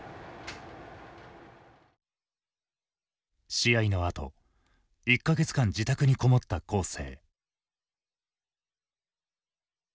試合のあと１か月間自宅に籠もった恒成。